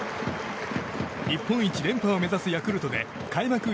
日本一連覇を目指すヤクルトで開幕